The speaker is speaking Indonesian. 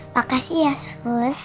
makasih ya sus